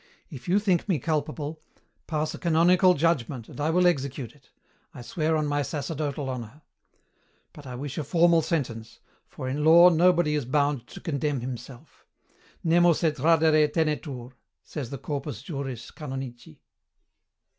If you think me culpable, pass a canonical judgment and I will execute it, I swear on my sacerdotal honour; but I wish a formal sentence, for, in law, nobody is bound to condemn himself: "Nemo se tradere tenetur," says the Corpus Juris Canonici.'